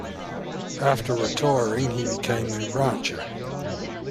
After retiring, he became a rancher.